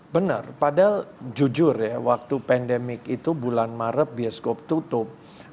benar padahal jujur ya waktu pandemik itu bulan maret bioskop tutup